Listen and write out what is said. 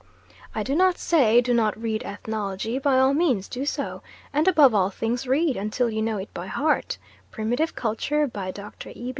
I do not say, do not read Ethnology by all means do so; and above all things read, until you know it by heart, Primitive Culture, by Dr. E.